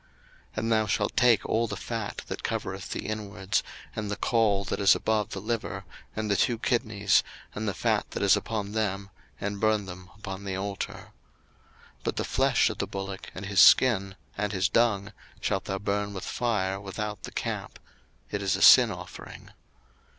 02:029:013 And thou shalt take all the fat that covereth the inwards, and the caul that is above the liver, and the two kidneys, and the fat that is upon them, and burn them upon the altar. 02:029:014 But the flesh of the bullock, and his skin, and his dung, shalt thou burn with fire without the camp: it is a sin offering.